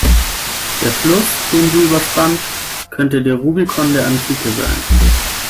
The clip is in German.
Der Fluss, den sie überspannt, könnte der Rubikon der Antike sein.